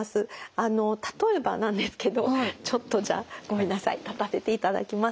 あの例えばなんですけどちょっとじゃあごめんなさい立たせていただきますね。